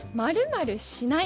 ○○しない。